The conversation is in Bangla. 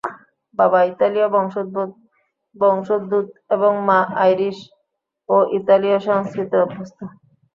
বাবা ইতালীয় বংশোদ্ভূত এবং মা আইরিশ ও ইতালীয় সংস্কৃতিতে অভ্যস্ত।